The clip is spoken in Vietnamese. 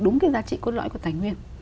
đúng cái giá trị cốt lõi của tài nguyên